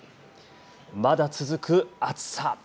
まだ続く暑さ。